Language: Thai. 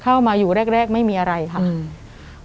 เข้ามาอยู่แรกแรกไม่มีอะไรค่ะอืม